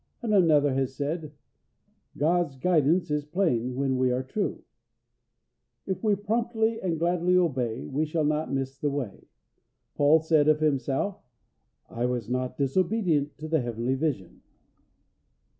And another has said: "God's guidance is plain, when we are true." If we promptly and gladly obey, we shall not miss the way. Paul said of himself, "I was not disobedient to the heavenly vision."